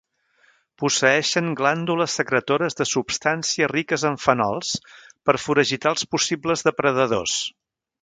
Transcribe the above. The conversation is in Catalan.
Posseeixen glàndules secretores de substàncies riques en fenols, per foragitar els possibles depredadors.